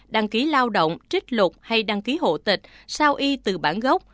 đăng ký lao động trích lục hay đăng ký hộ tịch sao y từ bản gốc